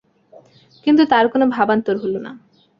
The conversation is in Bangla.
কিন্তু তাঁর কোনো ভাবান্তর হলো না।